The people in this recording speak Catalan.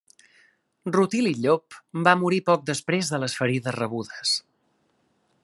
Rutili Llop va morir poc després de les ferides rebudes.